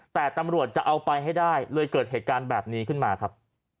แต่ตำรวจจะเอาไปให้ได้เลยเกิดเหตุการณ์แบบนี้ขึ้นมาครับ